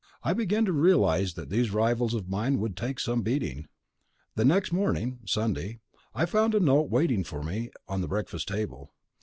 I began to realize that these rivals of mine would take some beating. The next morning (Sunday) I found a note waiting for me on the breakfast table.